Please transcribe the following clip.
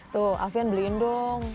tuh afian beliin dong